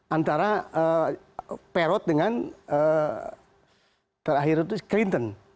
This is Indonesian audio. antara perot dengan clinton